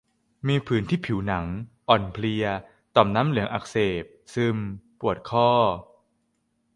มีผื่นที่ผิวหนัง อ่อนเพลีย ต่อมน้ำเหลืองอักเสบ ซึม ปวดข้อ